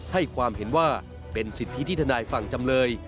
ให้ความเห็นว่าเป็นสิทธิที่ทนายฝั่งจำเลย